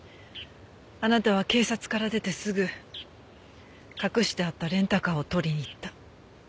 あなたは警察から出てすぐ隠してあったレンタカーを取りに行った。